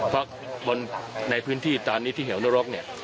เพราะในพื้นที่ที่เกี่ยวนรกเนี่ย